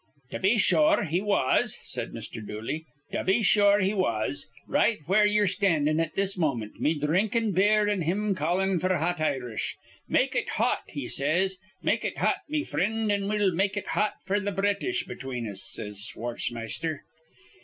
"Tubby sure he was," said Mr. Dooley. "Tubby sure he was. Right where ye're standin' at this moment, me dhrinkin' beer an' him callin' f'r hot Irish. 'Make it hot,' he says. 'Make it hot, me frind; an' we'll make it hot f'r th' British between us,' says Schwartzmeister.